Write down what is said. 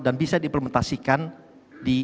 dan bisa diimplementasikan di